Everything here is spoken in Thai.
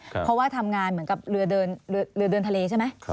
เพราะว่าทำงานเหมือนกับเรือเดินทะเลใช่ไหม